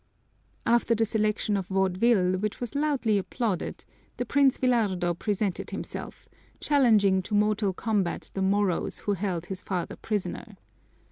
After the selection of vaudeville, which was loudly applauded, the Prince Villardo presented himself, challenging to mortal combat the Moros who held his father prisoner.